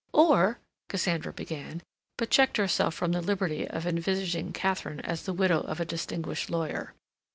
"Or—" Cassandra began, but checked herself from the liberty of envisaging Katharine as the widow of a distinguished lawyer.